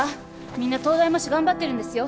みんな東大模試頑張ってるんですよ